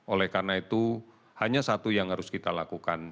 oleh karena itu hanya satu yang harus kita lakukan